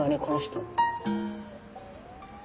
この人。